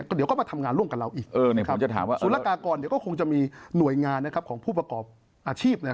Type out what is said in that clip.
เดี๋ยวก็มาทำงานร่วมกับเราอีกศูนย์ละกากรก็คงจะมีหน่วยงานของผู้ประกอบอาชีพ